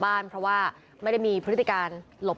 รวมถึงเมื่อวานี้ที่บิ๊กโจ๊กพาไปคุยกับแอมท์ท่านสถานหญิงกลาง